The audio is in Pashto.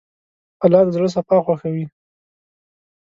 الله د زړه صفا خوښوي.